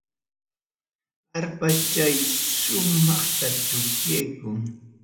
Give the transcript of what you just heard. Arpaschay sumaqta tukaykuy.